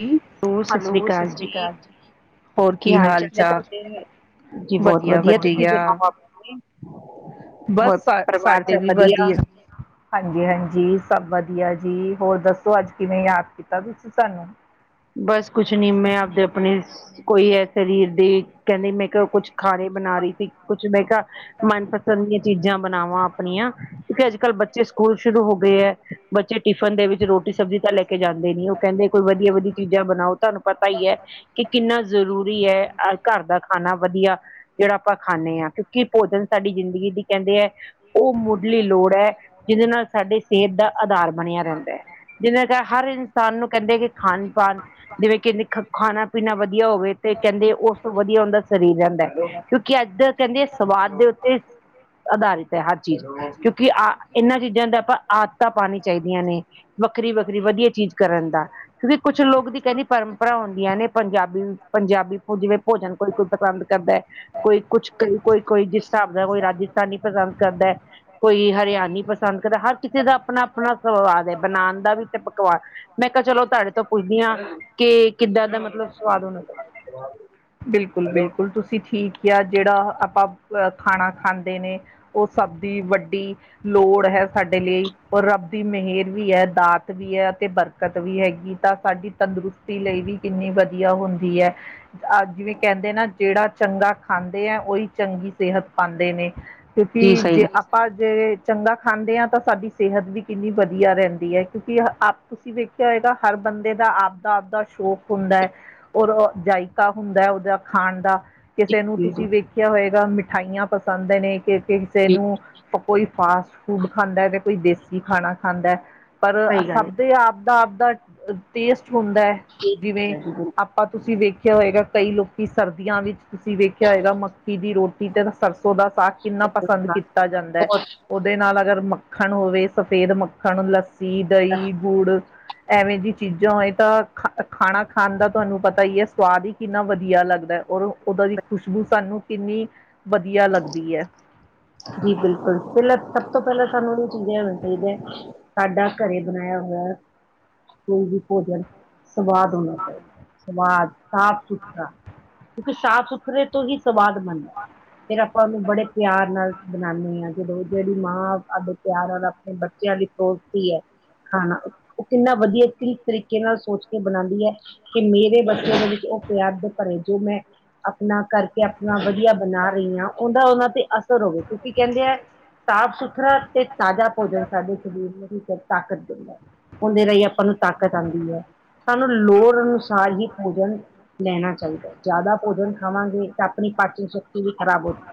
ਜੀ ਹੋਰ, ਸਾਸਰੀ ਹੈਲੋ ਸਤਿ ਕਾਲ ਸ਼੍ਰੀ ਜੀ। ਅਕਾਲ ਕੀ ਹਾਲ ਚਾਲ ਏਂ ਤੁਹਾਡੇ, ਜੀ ਬਹੁਤ ਵਧੀਆ ਤੁਸੀਂ ਸੁਣਾਓ ਆਪਣੇ। ਬਸ ਹੋਰ ਸਾ ਪਰਿਵਾਰ ਸਾਡੇ ਵੀ ਸਭ ਵਧੀਆ। ਹਾਂਜੀ- ਹਾਂਜੀ ਸਭ ਵਧੀਆ ਜੀ, ਹੋਰ ਦੱਸੋ ਅੱਜ ਕਿਵੇਂ ਯਾਦ ਕੀਤਾ ਤੁਸੀਂ ਸਾਨੂੰ। ਬਸ ਕੁਛ ਨੀ ਮੈਂ ਆਪਦੇ ਆਪਣੇ ਕੋਈ ਹੈ ਸਰੀਰ ਦੀ ਕਹਿੰਦੇ ਮੈਂ ਕੁਛ ਖਾਣੇ ਬਣਾ ਰਹੀ ਸੀ, ਕੁੱਛ ਮੈਂ ਕਿਹਾਂ ਮਨਪਸੰਦ ਦੀਆਂ ਚੀਜ਼ਾਂ ਬਣਾਵਾਂ ਆਪਣੀਆਂ ਕਿਉਂਕਿ ਅੱਜ-ਕੱਲ ਬੱਚੇ ਸਕੂਲ ਸ਼ੁਰੂ ਹੋ ਗੇ ਐ। ਬੱਚੇ ਟਿਫਨ ਦੇ ਵਿੱਚ ਰੋਟੀ ਸਬਜ਼ੀ ਤਾਂ ਲੈ ਕੇ ਜਾਂਦੇ ਨੀ ਉਹ ਕਹਿੰਦੇ ਕੋਈ ਵਧੀਆ- ਵਧੀਆ ਚੀਜ਼ਾਂ ਬਣਾਓ, ਤੁਹਾਨੂੰ ਪਤਾ ਈ ਏ ਕਿ ਕਿੰਨਾ ਜ਼ਰੂਰੀ ਐ ਘਰ ਦਾ ਖਾਣਾ ਵਧੀਆ ਜਿਹੜਾ ਆਪਾਂ ਖਾਂਨੇ ਆ, ਕਿਉਂਕਿ ਭੋਜਨ ਸਾਡੀ ਜ਼ਿੰਦਗੀ ਦੀ ਕਹਿੰਦੇ ਐ ਉਹ ਮੁੱਢਲੀ ਲੋੜ ਐ, ਜਿਹਦੇ ਨਾਲ ਸਾਡੇ ਸਿਹਤ ਦਾ ਆਧਾਰ ਬਣਿਆ ਰੈਂਦਾ ਐ। ਜਿਨਾਂ ਚਿਰ ਹਰ ਇਨਸਾਨ ਨੂੰ ਕਹਿੰਦੇ ਕਿ ਖਾਨ-ਪਾਨ ਜਿਵੇਂ ਕਹਿੰਦੇ ਖਾਣਾ-ਪੀਣਾ ਵਧੀਆ ਹੋਵੇ ਤੇ, ਕਹਿੰਦੇ ਓਸ ਤੋਂ ਵਧੀਆ ਔਂਦਾ ਸਰੀਰ ਰੈਂਦਾ ਐ। ਕਿਉਂਕਿ ਅੱਜ ਦੇ ਕਹਿੰਦੇ ਆ ਸਵਾਦ ਦੇ ਉੱਤੇ ਆਧਾਰਿਤ ਐ ਹਰ ਚੀਜ਼, ਕਿਉਂਕਿ ਆਹ ਇਨਾਂ ਚੀਜ਼ਾਂ ਦਾ ਆਪਾ ਆ -ਦਤਾ ਪਾਨੀਆ ਚਾਈਦੀਆਂ ਨੇ ਵੱਖਰੀ-ਵੱਖਰੀ ਵਧੀਆ ਚੀਜ਼ ਕਰਨ ਦਾ। ਕਿਉਂਕਿ ਕੁਛ ਲੋਕ ਦੀ ਕਹਿੰਦੀ ਪਰੰਪਰਾ ਹੁੰਦੀਆਂ ਨੇ, ਪੰਜਾਬੀ- ਪੰਜਾਬੀ ਜਿਵੇਂ ਭੋਜਨ ਕੋਈ- ਕੋਈ ਪਸੰਦ ਕਰਦਾ ਏ। ਕੋਈ ਕੁੱਛ ਕਈ ਕੋਈ- ਕੋਈ ਜਿਸ ਹਿਸਾਬ ਦਾ ਕੋਈ ਰਾਜਸਥਾਨੀ ਪਸੰਦ ਕਰਦਾ ਐ। ਕੋਈ ਹਰਿਆਣੀ ਪਸੰਦ ਕਰਦਾ, ਹਰ ਕਿਸੇ ਦਾ ਆਪਣਾ-ਅਪਣਾ ਸਵਾਦ ਐ, ਬਨਾਣ ਦਾ ਵੀ ਤੇ ਪਕਾਨ ਮੈਂ ਕਿਹਾ ਚਲੋ ਤੁਹਾਡੇ ਤੋਂ ਪੁੱਛਦੀ ਆਂ ਕਿ ਕਿੱਦਾਂ ਦਾ ਮਤਲਬ ਸਵਾਦ ਹੋਣਾ ਹੁਣ ਤੁਸੀਂ ਠੀਕ ਕਿਆ, ਜਿਹੜਾ ਆਪਾਂ ਖਾਣਾ ਖਾਂਦੇ ਨੇ, ਉਹ ਸਭ ਦੀ ਵੱਡੀ ਲੋੜ ਹੈ ਸਾਡੇ ਲਈ, ਔਰ ਰੱਬ ਦੀ ਮਹੇਰ ਵੀ ਐ, ਦਾਤ ਵੀ ਹੈ ਅਤੇ ਬਰ -ਕਤ ਵੀ ਹੈਗੀ ਤਾਂ ਸਾਡੀ ਤੰਦਰੁਸਤੀ ਲਈ ਵੀ ਕਿੰਨੀ ਵਧੀਆ ਹੁੰਦੀ ਐ। ਅੱਜ ਵੀ ਕਹਿੰਦੇ ਨਾ ਜਿਹੜਾਂ ਚੰਗਾ ਖਾਂਦੇ ਆ, ਉਹੀ ਚੰਗੀ ਸਿਹਤ ਪਾਂਦੇ ਨੇ। ਜੀ ਕਿਉਂਕਿ ਸਹੀ ਜਿਲ ਗੱਲ ਆਪਾਂ ਜੇ ਚੰਗਾ ਖਾਂਦੇ ਆਂ, ਤਾਂ ਸਾਡੀ ਸਿਹਤ ਵੀ ਕਿੰਨੀ ਵਧੀਆ ਰਹਿਦੀ ਐ ਕਿਉਂਕਿ ਆਪ ਤੁਸੀਂ ਵੇਖਿਆ ਹੋਏਗਾ, ਹਰ ਬੰਦੇ ਦਾ ਆਪਦਾ-ਆਪਦਾ ਸ਼ੌਕ ਹੁੰਦਾ ਐ, ਔਰ ਜਾਇਕਾ ਹੁੰਦਾ ਉਹਦਾ ਖਾਣ ਦਾ ਜੀ ਕਿਸੇ ਨੂੰ ਜੀ ਜੀ ਤੁਸੀਂ ਵੇਖ ਕਿਆ ਹੋਏਗਾ ਮਿਠਾਈਆਂ ਪਸੰਦ ਨੇ ਕਿਸੇ-ਕਿਸੇ ਜੀ ਨੂੰ ਕੋਈ ਫਾਸਟ ਫੂਡ ਖਾਂਦਾ ਤੇ ਕੋਈ ਦੇਸੀ ਖਾਨਾ ਖਾਂਦਾ। ਪਰ ਸਹੀ ਗੱਲ ਸਬ ਦੇ ਆਪਦਾ-ਆਪਦਾ ਟੇਸਟ ਹੁੰਦੈ। ਜਿਵੇਂ ਹੈ ਆਪਾਂ ਤੁਸੀਂ ਵੇਖੀ ਦੇਖੇਆ ਹੋਏਗਾ ਕਈ ਲੋਕੀ ਸਰਦੀਆਂ ਵਿੱਚ ਤੁਸੀਂ ਵੇਖੇਆ ਹੋਏਗਾ ਮੱਕੀ ਦੀ ਰੋਟੀ ਤੇ ਸਰਸੋਂ ਦਾ ਸਾਗ ਕਿੰਨਾ ਪਸੰਦ ਕੀਤਾ ਜਾਂਦੈ। ਹੋਰ ਓਦੇ ਨਾਲ ਅਗਰ ਮੱਖਨ ਹੋਵੇ ਸਫੈਦ ਮੱਖਨ, ਲੱਸੀ, ਦਈਂ, ਗੁੜ ਐਵੇਂ ਦੀ ਚੀਜ਼ਾਂ ਹੋਏ ਤਾਂ ਖਾ ਖਾਨਾ ਖਾਨ ਦਾ ਤੁਆਨੂੰ ਪਤਾ ਈ ਏ ਸਵਾਦ ਈ ਕਿੰਨਾ ਵਦੀਆ ਲੱਗਦਾ ਏ ਔਰ ਓਦਾਂ ਦੀ ਖੁਸ਼ਬੂ ਸਾਨੂੰ ਕਿੰਨੀ ਵਦੀਆ ਲੱਗਦੀ ਐ। ਜੀ ਬਿਲਕੁਲ ਪੈਲਾਂ ‌ ਸਬ ਤੋਂ ਪੈਲਾਂ ਸਾਨੂੰ ਏ ਚੀਜਾਂ ਆਨਾ ਚਈਦੈ। ਸਾਡਾ ਘਰੇ ਬਨਾਏਆ ਹੋਇਆ ਕੋਈ ਵੀ ਭੋਜਨ ਸਵਾਦ ਹੋਨਾ ਚਈਦਾ, ਸਵਾਦ ਸਾਫ਼-ਸੁਥਰਾ ਕਿਓਂਕਿ ਸਾਫ਼ ਸੁ ਸੁਥਰੇ ਤੋਂ ਹੀ ਸਵਾਦ ਬਨਦਾ ਫਿਰ ਆਪਾਂ ਓਨੂੰ ਬੜੇ ਪਿਆਰ ਨਾਲ ਬਨਾਨੇ ਆ‌ਂ ਜਦੋ ਜੇੜੀ ਮਾਂ ਆਬਦੇ ਪਿਆਰ ਔਰ ਆਪਨੇ ਬੱਚੇਆਂ ਦੀ ਸੋਚਤੀ ਐ। ਖਾਨਾ ਓ ਕਿੰਨਾ ਵਦੀਆ ਕੀ ਤਰੀਕੇ ਨਾਲ ਸੋਚ ਕੇ ਬਨਾਂਦੀ ਐ। ਕੀ ਮੇਰੇ ਬੱਚੇਆਂ ਦੇ ਵਿੱਚ ਓ ਪਿਆਰ ਦੇ ਭਰੇ ਜੋ ਮੈਂ ਆਪਨਾ ਕਰਕੇ ਆਪਨਾ ਵਦੀਆ ਬਨਾ ਰਈ ਆਂ ਓਦਾ ਓਨਾਂ ਤੇ ਅਸਰ ਹੋਵੇ। ਤੁਸੀਂ ਕੈਂਦੇ ਐ ਸਾਫ਼-ਸੁਥਰਾ ਤੇ ਤਾਜ਼ਾ ਭੋਜਨ ਸਾਡੇ ਸਰੀਰ ਨੂੰ ਵੀ ਫੇਰ ਤਾਕਤ ਦਿੰਦੈ। ਓਦੇ ਰਾਈਂ ਆਪਾਂ ਨੂੰ ਤਾਕਤ ਆਂਦੀ ਐ। ਸਾਨੂੰ ਲੋੜ ਅਨੁਸਾਰ ਹੀ ਭੋਜਨ ਲੈਨਾ ਚਾਈਦਾ। ਜਾਦਾ ਭੋਜਨ ਖਾਵਾਂਗੇ ਤਾਂ ਆਪਨੀ ਪਾਚਨ ਸ਼ਕਤੀ ਵੀ ਖ਼ਰਾਬ ਹੋਜੂ।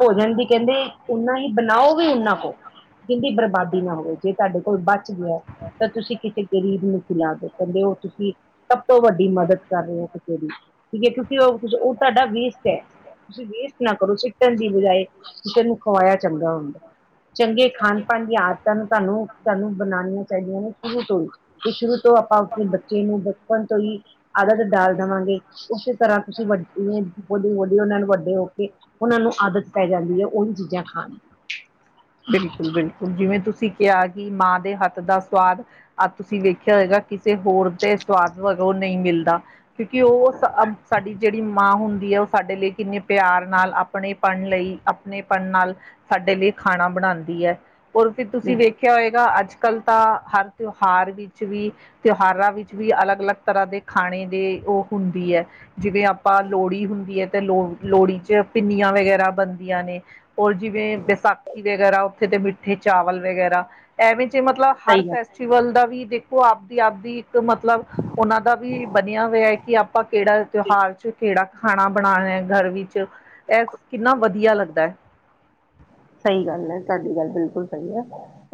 ਭੋਜਨ ਵੀ ਕੈਂਦੇ ਓਨਾ ਹੀ ਬਨਾਓ ਓ ਵੀ ਓਨਾਂ ਕ, ਜੀਦੀ ਬਰਬਾਦੀ ਨਾ ਹੋਵੇ। ਜੇ ਤੁਆਡੇ ਕੋਲ ਬਚ ਗਿਆ ਤਾਂ ਤੁਸੀਂ ਕਿਸੇ ਗਰੀਬ ਨੂੰ ਖਿਲਾ ਦੋ ਕੈਂਦੇ ਓ ਤੁਸੀਂ ਸਬ ਤੋਂ ਵੱਡੀ ਮਦਦ ਕਰ ਰਏ ਓਂ ਕਿਸੇ ਦੀ। ਕਿਓਂਕਿ ਓ ਫਿਰ ਤਾਡਾ ਵੇਸਟ ਐ ਤੁਸੀਂ ਵੇਸਟ ਨਾ ਕਰੋ ਸਿੱਟਨ ਦੀ ਬਜਾਏ ਕਿਸੇ ਨੂੰ ਖਵਾਇਆ ਚੰਗਾ ਹੁੰਦਾ, ਚੰਗੇ ਖਾਨ ਪਾਨ ਦੀ ਆਦ ਤੁਆਨੂੰ-ਤੁਆਨੂੰ-ਤੁਆਨੂੰ ਬਨਾਨੀਆਂ ਚਾਈਦੀਆਂ ਨੇ ਪੂਰੀ ਤਰਾਂ। ਤੇ ਸ਼ੁਰੂ ਤੋਂ ਆਪਾਂ ਆਪਨੇ ਬੱਚੇ ਨੂੰ ਬਚਪਨ ਤੋਂ ਈ ਆਦਤ ਡਾਲ ਦਵਾਂਗੇ, ਉਸੇ ਤਰ੍ਹਾਂ ਤੁਸੀਂ ਵੱ ਲੀ ਬੜੀ ਵਦੀਆ ਓਨਾਂ ਨੂੰ ਵੱਡੇ ਹੋ ਕੇ ਓਨਾਂ ਨੂੰ ਆਦਤ ਪੈ ਜਾਂਦੀ ਐ ਓਈ ਚੀਜ਼ਾਂ ਖਾਨ ਦੀ। ਬਿਲਕੁਲ-ਬਿਲਕੁਲ ਜਿਵੇਂ ਤੁਸੀਂ ਕਿਆ ਕੇ ਮਾਂ ਦੇ ਹੱਥ ਦਾ ਸਵਾਦ ਆ ਤੁਸੀਂ ਵੇਖੇਆ ਹੋਏਗਾ ਕਿਸੇ ਹੋਰ ਤੇ ਸਵਾਦ ਵਜੋ ਨਈਂ ਮਿਲਦਾ। ਕਿਓਂਕਿ ਓ ਸਾਡੀ ਜੇੜੀ ਮਾਂ ਹੁੰਦੀ ਏ ਓ ਸਾਡੇ ਲਈ ਕਿੰਨੇ ਪਿਆਰ ਨਾਲ ਆਪਨੇ ਪੜਨ ਲਈ ਆਪਨੇ ਪਨ ਨਾਲ ਸਾਡੇ ਲਈ ਖਾਨਾ ਬਨਾਂਦੀ ਐ ਔਰ ਫਿਰ ਤੁਸੀਂ ਦੀ ਵੇ ਕਿਆ ਹੋਏਗਾ ਅੱਜ-ਕੱਲ ਤਾਂ ਹਰ ਤਿਓਹਾਰ ਵਿੱਚ ਵੀ ਤਿਓਹਾਰਾਂ ਵਿੱਚ ਵੀ ਅਲੱਗ-ਅਲੱਗ ਤਰਾਂ ਦੇ ਖਾਨੇ ਦੇ ਓ ਹੁੰਦੀ ਐ। ਜਿਵੇਂ ਆਪਾਂ ਲੋੜੀ ਹੁੰਦੀ ਐ ਤੇ ਲੋ ਲੋੜੀ ਚ ਪਿੰਨੀਆਂ ਵਗੈ ਵਗੈਰਾ ਬਨਦੀਆਂ ਨੇ ਹੋਰ ਜਿਵੇਂ ਵਿਸਾਖੀ ਵਗੈਰਾ ਓਥੇ ਤੇ ਮਿੱਠੇ ਚਾਵਲ ਵਗੈਰਾ ਐਵੇਂ ਜੇ ਮਤਲਬ ਸਹੀ ਹਰ ਗੱਲ ਫੈਸਟੀਵਲ ਦਾ ਵੀ ਦੇਖੋ ਆਬਦੀ-ਆਬਦੀ ਤੇ ਮਤਲਬ ਓਨਾਂ ਦਾ ਵੀ ਬਨੇਆ ਹੋਏਆ ਏ ਕੇ ਆਪਾਂ ਕੇੜਾ ਤਿਓਹਾਰ ਚੋ ਕੇੜਾ ਖਾਨਾ ਬਨਾ ਐ ਘਰ ਵਿੱਚ ਐ ਕਿੰਨਾ ਵਦੀਆ ਲੱਗਦਾ। ਸਈ ਗੱਲ ਐ ਤਾਡੀ ਗੱਲ ਬਿਲਕੁਲ ਸਈ ਐ।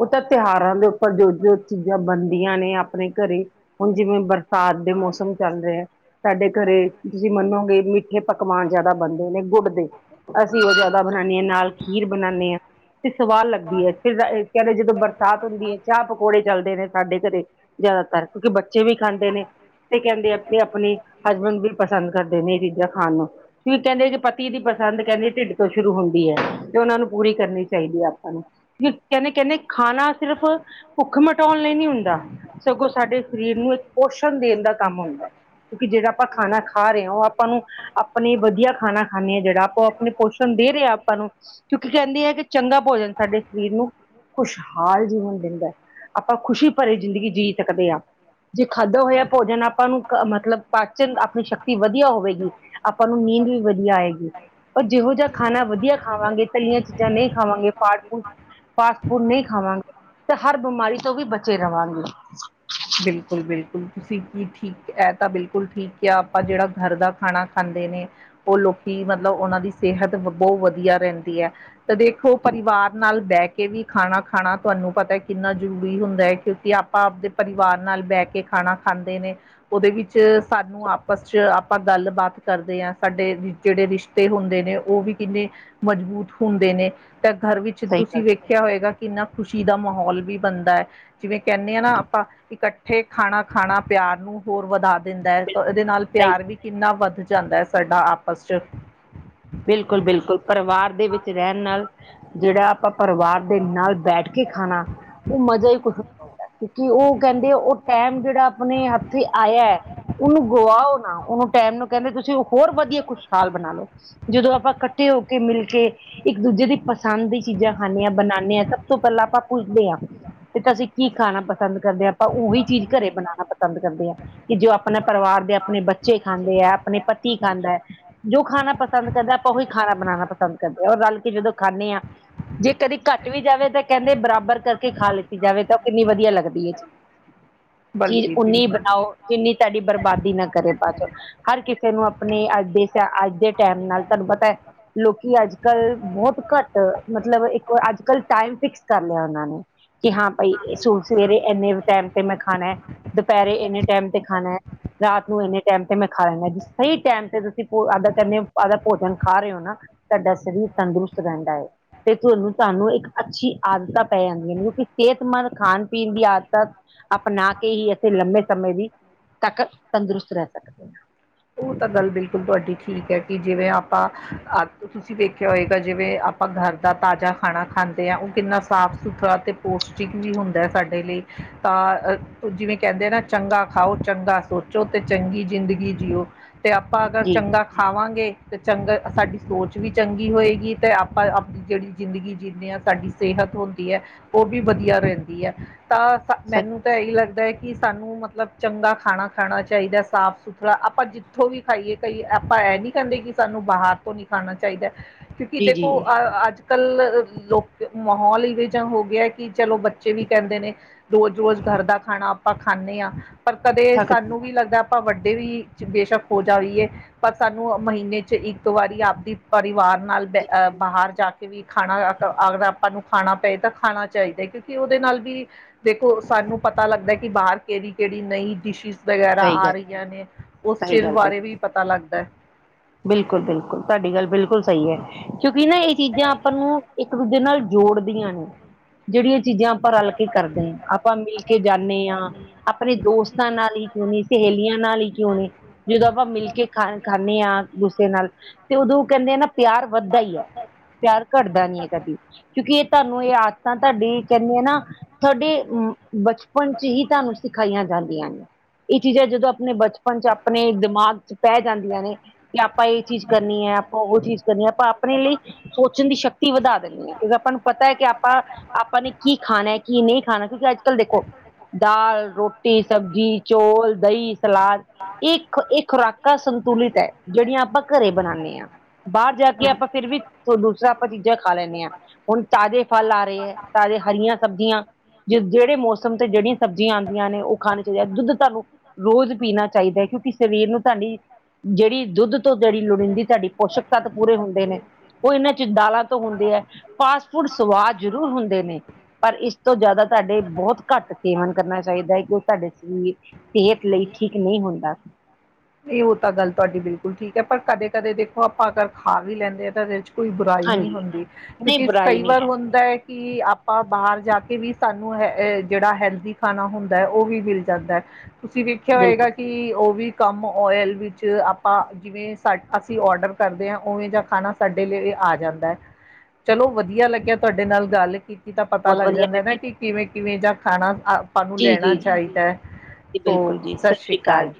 ਓ ਤਾਂ ਤਿਓਹਾਰਾਂ ਦੇ ਉੱਪਰ ਜੋ-ਜੋ ਚੀਜ਼ਾਂ ਬਨਦੀਆਂ ਨੇ ਆਪਨੇ ਘਰੇਂ ਹੁਨ ਜਿਵੇਂ ਬਰ ਸਾਗ ਦੇ ਮੌਸਮ ਚੱਲ ਰੇਆ। ਸਾਡੇ ਘਰੇ ਤੁਸੀਂ ਮੰਨੋਗੇ ਮਿੱਠੇ ਪਕਵਾਨ ਜ਼ਿਆਦਾ ਬਣਦੇ ਨੇ ਗੁੜ ਦੇ, ਅਸੀਂ ਉਹ ਜਿਆਦਾ ਬਣਾਉਣੇ ਆ ਨਾਲ ਖੀਰ ਬਣਾਉਣੇ ਆ ਤੇ ਸਵਾਦ ਲੱਗਦੀ ਏ। ਫਿਰ ਕਹਿੰਦੇ ਜਦੋਂ ਬਰਸਾਤ ਹੁੰਦੀ ਏ ਚਾਹ ਪਕੌੜੇ ਚੱਲਦੇ ਨੇ ਸਾਡੇ ਘਰੇ ਜ਼ਿਆਦਾਤਰ ਕਿਉਂਕਿ ਬੱਚੇ ਵੀ ਖਾਂਦੇ ਨੇ ਤੇ ਕਹਿੰਦੇ ਆਪਣੀ ਹਸਬੈਂਡ ਵੀ ਪਸੰਦ ਕਰਦੇ ਨੇ ਇਹ ਚੀਜ਼ਾਂ ਖਾਣ ਨੂੰ ਕੀ ਕਹਿੰਦੇ ਕਿ ਪਤੀ ਦੀ ਪਸੰਦ ਕਹਿੰਦੇ ਢਿੱਡ ਤੋਂ ਸ਼ੁਰੂ ਹੁੰਦੀ ਹੈ। ਸਾਨੂੰ ਪੂਰੀ ਕਰਨੀ ਚਾਹੀਦੀ ਹੈ ਆਪਾਂ ਨੂੰ ਕਹਿੰਦੇ ਕਹਿੰਦੇ ਖਾਣਾ ਸਿਰਫ ਭੁੱਖ ਮਿਟਾਉਣ ਲਈ ਨੀ ਹੁੰਦਾ ਸਗੋਂ ਸਾਡੇ ਸਰੀਰ ਨੂੰ ਇੱਕ ਪੋਸ਼ਣ ਦੇਣ ਦਾ ਕੰਮ ਹੁੰਦਾ ਹੈ। ਕਿਉਂਕਿ ਜਿਹੜਾ ਆਪਾਂ ਖਾਣਾ ਖਾ ਰਹੇ ਹੋ ਆਪਾਂ ਨੂੰ ਆਪਣੇ ਵਧੀਆ ਖਾਣਾ ਖਾਂਦੇ ਹਾਂ ਜਿਹੜਾ ਆਪਾਂ ਅਪੋ ਉਹ ਆਪਣੇ ਪੋਸ਼ਣ ਦੇ ਰਹੇ ਹਾਂ ਆਪਾਂ ਨੂੰ। ਕਿਉਂਕਿ ਕਹਿੰਦੇ ਹੈ ਕਿ ਚੰਗਾ ਭੋਜਨ ਸਾਡੇ ਸਰੀਰ ਨੂੰ ਖੁਸ਼ਹਾਲ ਜੀਵਨ ਦਿੰਦਾ ਹੈ ਆਪਾਂ ਖੁਸ਼ੀ ਭਰੀ ਜ਼ਿੰਦਗੀ ਜੀ ਸਕਦੇ ਹਾਂ। ਜੇ ਖਾਧਾ ਹੋਇਆ ਭੋਜਨ ਆਪਾਂ ਨੂੰ ਮਤਲਬ ਪਾਚਨ ਆਪਣੀ ਸ਼ਕਤੀ ਵਧੀਆ ਹੋਵੇਗੀ ਆਪਾਂ ਨੂੰ ਨੀਂਦ ਵਧੀਆ ਆਏਗੀ ਪਰ ਜਿਹੋ ਖਾਣਾ ਵਧੀਆ ਖਾਵਾਂਗੇ ਤਲੀਆਂ ਚੀਜ਼ਾਂ ਨਹੀਂ ਖਾਵਾਂਗੇ ਫਾਸਟ ਫੂਡ ਫਾਸਟ ਫੂਡ ਨਹੀਂ ਖਾਵਾਂਗੇ ਤੇ ਹਰ ਬਿਮਾਰੀ ਤੋਂ ਵੀ ਬਚੇ ਰਵਾਂਗੇ। ਬਿਲਕੁਲ ਬਿਲਕੁਲ ਤੁਸੀਂ ਕੀ ਠੀਕ ਹੈ ਤਾਂ ਬਿਲਕੁਲ ਠੀਕ ਆ ਆਪਾਂ ਜਿਹੜਾ ਘਰ ਦਾ ਖਾਣਾ ਖਾਂਦੇ ਨੇ ਉਹ ਲੋਕੀ ਮਤਲਬ ਉਹਨਾਂ ਦੀ ਸਿਹਤ ਬਹੁਤ ਵਧੀਆ ਰਹਿੰਦੀ ਏ। ਦੇਖੋ ਪਰਿਵਾਰ ਨਾਲ ਬੈ ਕੇ ਵੀ ਖਾਣਾ ਖਾਣਾ ਤੁਹਾਨੂੰ ਪਤਾ ਕਿੰਨਾ ਜ਼ਰੂਰੀ ਹੁੰਦਾ ਹੈ ਕਿਉਂਕਿ ਆਪਾਂ ਆਪਦੇ ਪਰਿਵਾਰ ਨਾਲ ਬਹਿ ਕੇ ਖਾਣਾ ਖਾਂਦੇ ਨੇ। ਉਹਦੇ ਵਿੱਚ ਸਾਨੂੰ ਆਪਸ ਚ ਆਪਾਂ ਗੱਲਬਾਤ ਕਰਦੇ ਹਾਂ ਸਾਡੇ ਜਿਹੜੇ ਰਿਸ਼ਤੇ ਤੇ ਹੁੰਦੇ ਨੇ ਉਹ ਵੀ ਕਿੰਨੇ ਮਜ਼ਬੂਤ ਹੁੰਦੇ ਨੇ ਤਾਂ ਘਰ ਵਿੱਚ ਸਹੀ ਤੁਸੀਂ ਗੱਲ, ਵੇਖਿਆ ਹੋਏਗਾ ਕਿੰਨਾ ਖੁਸ਼ੀ ਮਾਹੌਲ ਵੀ ਬਣਦਾ ਐ। ਜਿਵੇਂ ਕਹਿੰਦੇ ਆ ਨਾ ਇਕੱਠੇ ਖਾਣਾ ਖਾਣਾ ਪਿਆਰ ਨੂੰ ਹੋਰ ਵਧਾ ਦਿੰਦਾ ਐ ਤਾਂ ਇਹਦੇ ਨਾਲ ਸਹੀ ਪਿਆਰ ਵੀ ਕਿੰਨਾ ਵੱਧ ਜਾਂਦਾ ਹੈ ਸਾਡਾ ਆਪਸ ਚ ਬਿਲਕੁਲ ਬਿਲਕੁਲ ਪਰਿਵਾਰ ਦੇ ਵਿੱਚ ਰਹਿਣ ਨਾਲ ਜਿਹੜਾ ਆਪਾਂ ਪਰਿਵਾਰ ਦੇ ਨਾਲ ਬੈਠ ਕੇ ਖਾਣਾ ਉਹ ਮਜ਼ਾ ਹੀ ਕੁੱਛ ਹੋਰ ਕਿਉਂਕਿ ਉਹ ਕਹਿੰਦੇ ਉਹ ਟਾਈਮ ਜਿਹੜਾ ਆਪਣੇ ਹੱਥੇ ਆਇਆ ਉਹਨੂੰ ਗੁਆਓ ਨਾ ਉਹਨੂੰ ਟੈਮ ਨੂੰ ਕਹਿੰਦੇ ਤੁਸੀਂ ਉਹ ਹੋਰ ਵਧੀਆ ਖੁਸ਼ਹਾਲ ਬਣਾ ਲਓ। ਜਦੋਂ ਆਪਾਂ ਇਕੱਠੇ ਹੋ ਕੇ ਮਿਲ ਕੇ ਇੱਕ ਦੂਜੇ ਦੀ ਮ ਪਸੰਦ ਦੀ ਚੀਜ਼ਾਂ ਖਾਂਦੇ ਹਾਂ ਬਣਾਉਂਦੇ ਹਾਂ ਸਭ ਤੋਂ ਪਹਿਲਾਂ ਆਪਾਂ ਪੁੱਛਦੇ ਹਾਂ ਤੇ ਤੁਸੀਂ ਕੀ ਖਾਣਾ ਪ ਪਸੰਦ ਕਰਦੇ ਹਾਂ ਉਹੀ ਚੀਜ਼ ਘਰੇ ਬਣਾਉਣਾ ਪਸੰਦ ਕਰਦੇ ਹਾਂ। ਕਿ ਜੋ ਆਪਣੇ ਪਰਿਵਾਰ ਦੇ ਆਪਣੇ ਬੱਚੇ ਖਾਂਦੇ ਹੈ ਆਪਣੇ ਪਤੀ ਖਾਂਦਾ ਹੈ ਜੋ ਖਾਣਾ ਪ ਪਸੰਦ ਕਰਦਾ ਆਪਾਂ ਉਹੀ ਖਾਣਾ ਬਣਾਉਣਾ ਪਸੰਦ ਕਰਦੇ ਹਾਂ ਰ ਰਲ ਕੇ ਖਾਣੇ ਆ। ਜੇ ਕਦੇ ਘੱਟ ਵੀ ਜਾਵੇ ਤਾਂ ਕਹਿੰਦੇ ਬਰਾਬਰ ਕਰਕੇ ਖਾ ਲਿੱਤੀ ਜਾਵੇ ਤਾਂ ਉਹ ਕਿੰਨੀ ਵਧੀਆ ਲੱਗਦੀ ਐ। ਚੀਜ਼ ਬਲਕਿ ਓਨੀ ਬਿਲਕੁਲ ਬਣਾਓ ਜਿਨੀ ਤੁਹਾਡੀ ਬਰਬਾਦੀ ਨਾ ਕਰੇ ਪਾਚੋ ਹਰ ਕਿਸੇ ਨੂੰ ਆਪਣੇ ਅੱਜ ਦੇ ਅੱਜ ਦੇ ਟਾਈਮ ਨਾਲ ਤੁਹਾਨੂੰ ਪਤਾ ਲੋਕੀ ਅੱਜ ਕੱਲ੍ਹ ਬਹੁਤ ਘੱਟ ਮਤਲਬ ਇੱਕ ਅੱਜ ਕੱਲ੍ਹ ਟਾਈਮ ਫਿਕਸ ਕਰ ਲਿਆ ਉਹਨਾਂ ਨੇ ਕਿ ਹਾਂ ਭਾਈ ਸੂ ਸਵੇਰੇ ਇੰਨੇ ਟਾਈਮ ਤੇ ਮੈਂ ਖਾਣਾ ਹੈ ਦੁਪਹਿਰੇ ਇੰਨੇ ਟਾਈਮ ਤੇ ਖਾਣਾ ਹੈ। ਰਾਤ ਨੂੰ ਇੰਨੇ ਟਾਈਮ ਤੇ ਮੈਂ ਖਾ ਲੈਂਦਾ ਜ ਸਹੀ ਟਾਈਮ ਤੇ ਤੁਸੀਂ ਫੂਡ ਆਡਰ ਕਰ ਆਪਦਾ ਭੋਜਨ ਖਾ ਰਹੇ ਹੋ ਨਾ ਤੁਹਾਡਾ ਸਰੀਰ ਤੰਦਰੁਸਤ ਰਹਿੰਦਾ ਹੈ ਤੇ ਤੁਹਾਨੂੰ ਤੁਹਾਨੂੰ ਇੱਕ ਅੱਛੀ ਆਦਤਾਂ ਪੈ ਜਾਂਦੀਆਂ ਨੇ ਕਿਉਂਕਿ ਸਿਹਤਮੰਦ ਖਾਣ ਪੀਣ ਦੀ ਆਦਤਾਂ ਅਪਣਾ ਕੇ ਹੀ ਅਸੀਂ ਲੰਮੇ ਸਮੇਂ ਦੀ ਤੱਕ ਤੰਦਰੁਸਤ ਰਹਿ ਸਕਦੇ ਹਾਂ। ਉਹ ਤਾਂ ਗਲ ਬਡੀ ਠੀਕ ਐ ਕਿ ਜਿਵੇਂ ਆਪਾਂ, ਅਪ ਤੁਸੀਂ ਦੇਖਿਆ ਹੋਏਗਾ ਜਿਵੇਂ ਅਪ ਆਪਾਂ ਘਰ ਦਾ ਤਾਜ਼ਾ ਖਾਣਾ ਖਾਂ ਤੇ ਉਹ ਕਿੰਨਾ ਸਾਫ਼ ਸੁਥਰਾ ਤੇ ਪੋਸ਼ਟਿਕ ਵੀ ਹੁੰਦਾ ਸਾਡੇ ਲਈ, ਤਾਂ ਜਿਵੇਂ ਕੈਂਦੇ ਨਾ, ਚੰਗਾ ਖਾਓ ਚੰਗਾ ਸੋਚੋ ਤੇ ਚੰਗੀ ਜ਼ਿੰਦਗੀ ਜੀਓ ਤੇ ਆਪਾਂ ਅਗਰ ਜੀ ਚੰਗਾ ਖਾਵਾਂਗੇ, ਤੇ ਚੰਗਾ, ਸਾਡੀ ਸੋਚ ਵੀ ਚੰਗੀ ਹੋਏਗੀ ਤੇ ਆਪਾਂ ਆਪ ਜੇੜੀ ਜ਼ਿੰਦਗੀ ਜਿਣੇ ਆ ਸਾਡੀ ਸਿਹਤ ਹੁੰਦੀ ਹੈ, ਉਹ ਵੀ ਵਧੀਆ ਰਹਿੰਦੀ ਐ, ਤਾਂ ਸਹੀ ਮੈਨੂੰ ਤਾਂ ਇਹੀ ਲੱਗਦਾ ਕਿ ਸਾਨੂੰ ਮਤਲਬ ਚੰਗਾ ਖਾਣਾ, ਖਾਣਾ ਚਾਹੀਦਾ ਸਾਫ- ਸੁਥਰਾ ਆਪਾਂ ਜਿ ਜਿੱਥੋਂ ਵੀ ਖਾਈਏ, ਕਈ ਆਪਾਂ ਐਹ ਨੀ ਕਹਿੰਦੇ ਕਿ ਸਾਨੂੰ ਬਾਹਰ ਤੋਂ ਨਹੀਂ ਖਾਣਾ ਚਾਹੀਦਾ ਕਿਉਂਕਿ ਜੀ ਜੀ ਦੇਖੋ, ਜੀ ਅਹ ਅੱਜ- ਕੱਲ ਲੋਕ ਮਾਹੌਲ ਇਵੇਂ ਜਾ ਹੋ ਗਿਆ, ਕਿ ਚਲੋ ਬੱਚੇ ਵੀ ਕੈਂਦੇ ਨੇ ਰੋਜ਼- ਰੋਜ਼ ਗਰ ਦਾ ਖਾਣਾ ਆਪਾਂ ਖਾਂਣੇ ਆਂ ਪਰ ਕਦੇ ਥੱਕ ਸਾਨੂੰ ਵੀ ਲੱਗਦਾ ਆਪਾਂ ਵੱਡੇ ਵੀ, ਬੇਸ਼ੱਕ ਹੋ ਜਾਈਏ ਪਰ ਸਾਨੂੰ ਮਹੀਨੇ 'ਚ ਇੱਕ ਵਾਰੀ ਆਪਦੀ ਪਰਿਵਾਰ ਨਾਲ ਬੈ, ਬਾਹਰ ਜਾ ਕੇ ਵੀ ਖਾਣਾ ਆ ਆਗਦਾ ਨੂੰ ਖਾਣਾ ਪਏ ਤਾਂ ਖਾਣਾ ਚਾਈਦਾ, ਕਿਉਂਕਿ ਉਹਦੇ ਨਾਲ ਵੀ ਦੇਖੋ ਸਾਨੂੰ ਪਤਾ ਲੱਗਦਾ ਕਿ ਬਾਹਰ ਕੇੜੀ- ਕੇੜੀ ਨਈਂ ਡਿਸ਼ਿਜਸ ਵਗੈਰਾ ਸਹੀ ਆ ਗੱਲ ਰਹੀਆਂ ਨੇ, ਉਸ ਸਹੀ ਚੀਜ਼ ਗੱਲ ਬਿਲਕੁਲ ਬਾਰੇ ਵੀ ਪਤਾ ਲੱਗਦਾ ਬਿਲਕੁਲ- ਬਿਲਕੁਲ, ਤੁਹਾਡੀ ਗੱਲ ਬਿਲਕੁਲ ਸਹੀ ਐ, ਕਿਉਂਕਿ ਨਾ ਇਹ ਚੀਜ਼ਾਂ ਆਪਾਂ ਨੂੰ, ਇੱਕ ਦੂਜ ਦੇ ਨਾਲ ਜੋੜਦੀਆਂ ਨੇ, ਜੇੜੀਆਂ ਚੀਜ਼ਾਂ ਆਪਾਂ ਰਲ ਕੇ ਕਰਦੇ ਆਂ, ਆਪਾਂ ਮਿਲ ਕੇ ਜਾਂਨੇ ਆਂ ਆਪਣੇ ਦੋਸਤਾਂ ਨਾਲ ਹੀ ਕਿਉਂ ਨੀ, ਸਹੇਲੀਆਂ ਨਾਲ ਹੀ ਕਿਉਂ ਨੀ ਜਦੋਂ ਆਪਾਂ ਮਿਲ ਕੇ ਖਾ, ਖਾਂਣੇ ਆ ਗੁੱਸੇ ਨਾਲ, ਤੇ ਉਦੋਂ ਕੈਂਦੇ ਆ ਨਾ ਪਿਆਰ ਵੱਧਦਾ ਈ ਆ ਪਿਆਰ ਘੱਟਦਾ ਨੀ ਐ ਕਦੀ, ਕਿਉਂਕਿ ਇਹ ਤੁਹਾਨੂੰ ਇਹ ਆਦਤਾਂ ਤੁਹਾਡੀ ਕਹਿੰਦੇ ਆ ਨਾ ਤਾਡੇ ਬਚਪਨ 'ਚ ਹੀ ਤੁਹਾਨੂੰ ਸਿਖਾਈਆਂ ਜਾਂਦੀਆਂ ਨੇ ਇਹ ਚੀਜ਼ਾਂ ਜਦੋਂ ਆਪਣੇ ਬਚਪਨ 'ਚ ਆਪਣੇ ਦਿਮਾਗ 'ਚ ਪੈ ਜਾਂਦੀਆਂ ਨੇ ਕਿ ਆਪਾਂ ਇਹ ਚੀਜ਼ ਕਰਨੀ ਐ, ਆਪਾਂ ਉਹ ਚੀਜ਼ ਕਰਨੀ ਐ, ਆਪਾਂ ਆਪਣੇ ਲਈ ਸੋਚਣ ਦੀ ਸ਼ਕਤੀ ਵਧਾ ਦਿੰਦੇ ਆਂ, ਕਿਉਂਕਿ ਆਪਾਂ ਨੂੰ ਪਤਾ ਐ ਕਿ ਆਪਾਂ, ਆਪਾਂ ਆਪਾਂ ਨੇ ਕੀ ਖਾਣਾ, ਕੀ ਨੀ ਖਾਣਾ ਕਿਉਂਕਿ ਅੱਜ- ਕੱਲ ਦੇਖੋ, ਦਾਲ, ਰੋਟੀ, ਸਬਜ਼ੀ ਚੌਲ, ਦਹੀਂ, ਸਲਾਦ ਇਹ ਇੱਕ, ਇਹ ਖੁਰਾਕਾਂ ਸੰਤੁਲਿਤ ਐ ਜੇੜੀਆਂ ਆਪਾਂ ਘਰੇ ਬਣਾਣੇ ਆਂ, ਬਾਹਰ ਜਾ ਕੇ ਆਪਾਂ ਫੇਰ ਵੀ, ਦੂਸਰਾ ਆਪਾਂ ਚੀਜ਼ਾਂ ਖਾ ਲੈਂਦੇ ਆਂ ਹੁਣ ਤਾਜ਼ੇ ਫਲ ਆ ਰਹੇ ਐ, ਤਾਜ਼ੇ ਹਰੀਆਂ ਸਬਜ਼ੀਆਂ ਜ ਜੇੜੇ ਮੌਸਮ ਤੇ ਜੇੜੀਆਂ ਸਬਜ਼ੀਆਂ ਆਉਂਦੀਆਂ ਨੇ, ਉਹ ਖਾਣ ਚਾਹੀਦੀਆਂ, ਦੁੱਧ ਤੁਹਾਨੂੰ ਰੋਜ਼ ਪੀਣਾ ਚਾਹੀਦਾ ਐ, ਕਿਉਂਕਿ ਸਰੀਰ ਨੂੰ ਤਾਡੀ ਜੇੜੀ ਦੁੱਧ ਤੋਂ ਜੇੜੀ ਲੋੜੀਂਦੀ ਤੁਹਾਡੀ ਪੋਸ਼ਕ ਤਤ ਪੂਰੇ ਹੁੰਦੇ ਨੇ, ਉਹ ਇਹਨਾਂ 'ਚ ਦਾਲਾਂ ਤੋਂ ਹੁੰਦੇ ਐ ਫਾਸਟ ਫੂਡ ਸੁਆਦ ਜ਼ਰੂਰ ਹੁੰਦੇ ਨੇ ਪਰ ਇਸ ਤੋਂ ਜ਼ਿਆਦਾ ਤਾਡੇ ਬਹੁਤ ਘੱਟ ਸੇਵਨ ਕਰਨਾ ਚਾਹੀਦਾ, ਕਿਉਂ ਤੁਹਾਡੇ ਸਰੀਰ ਸੇਹਤ ਲਈ ਠੀਕ ਨਹੀਂ ਹੁੰਦਾ ਇਹ ਉਹ ਤਾਂ ਗੱਲ ਤੁਹਾਡੀ ਬਿਲਕੁਲ ਠੀਕ ਐ, ਪਰ ਕਦੇ -ਕਦੇ ਦੇਖੋ ਆਪਾਂ ਅਗਰ ਖਾ ਵੀ ਲੈਂਦੇ ਹਾਂ ਤਾਂ ਇਹਦੇ 'ਚ ਕੋਈ ਬੁਰਾਈ ਨੀ ਹਾਂਜੀ ਹੁੰਦੀ, ਨਹੀਂ ਕਿਉਂਕਿ ਬੁਰਾਈ ਕਈ ਨਹੀਂ ਵਾਰ ਹੈ ਹੁੰਦਾ ਏ ਕਿ ਆਪਾਂ ਬਾਹਰ ਜਾ ਕੇ ਵੀ ਸਾਨੂੰ ਹੈ ਜੇੜਾ ਹੈਲਦੀ ਖਾਣਾ ਹੁੰਦਾ, ਉਹ ਵੀ ਮਿਲ ਜਾਂਦਾ ਤੁਸੀਂ ਵੇਖਿਆ ਹੋਏਗਾ ਬਿਲਕੁਲ ਕਿ ਉਹ ਵੀ ਕੰਮ, ਆਇਲ ਵਿੱਚ ਆਪਾਂ ਜਿਵੇਂ ਸਾ ਅਸੀਂ ਔਡਰ ਕਰਦੇ ਆਂ, ਉਵੇਂ ਦਾ ਖਾਣਾ ਸਾਡੇ ਲਈ ਇਹ ਆ ਜਾਂਦਾ ਚਲੋ ਵਧੀਆ ਲੱਗਿਆ ਤੁਹਾਡੇ ਨਾਲ ਗੱਲ ਕੀਤੀ ਤਾਂ ਪਤਾ ਬਹੁਤ ਲੱਗ ਵਧੀਆ ਜਾਂਦਾ ਨਾ ਲੱਗੀ ਕਿ ਕਿਵੇਂ- ਕਿਵੇਂ ਜਾਂ ਖਾਣਾ ਆਪਾਂ ਨੂੰ ਜੀ ਲੈਣਾ ਜੀ ਜੀ ਚਾਹੀਦਾ ਹੈ, ਤੋ ਸਤਿ ਸ਼੍ਰੀ ਅਕਾਲ।